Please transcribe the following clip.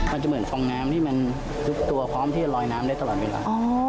มันจะเหมือนฟองน้ำที่มันทุกตัวพร้อมที่จะลอยน้ำได้ตลอดเวลา